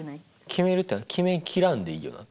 決めるっていうのは決め切らんでいいよな。